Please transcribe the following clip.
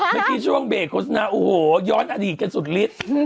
เมื่อกี้ช่วงเบรกโฆษณาโอ้โหย้อนอดีตกันสุดฤทธิ์